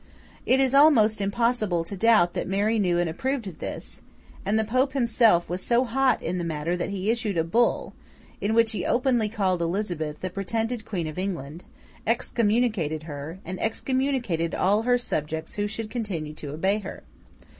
It is almost impossible to doubt that Mary knew and approved of this; and the Pope himself was so hot in the matter that he issued a bull, in which he openly called Elizabeth the 'pretended Queen' of England, excommunicated her, and excommunicated all her subjects who should continue to obey her.